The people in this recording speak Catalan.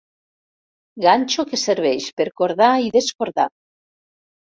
Ganxo que serveix per cordar i descordar.